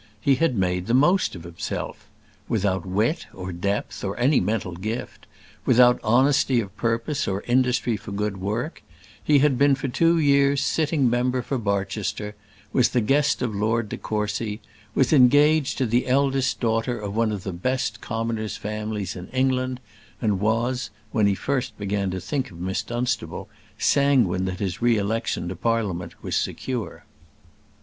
He had made the most of himself. Without wit, or depth, or any mental gift without honesty of purpose or industry for good work he had been for two years sitting member for Barchester; was the guest of Lord de Courcy; was engaged to the eldest daughter of one of the best commoners' families in England; and was, when he first began to think of Miss Dunstable, sanguine that his re election to Parliament was secure.